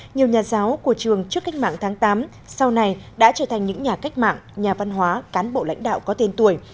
nhiều nhà giáo của trường trước cách mạng tháng tám sau này đã trở thành những nhà cách mạng nhà văn hóa cán bộ lãnh đạo có tên tuổi